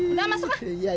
udah masuk ah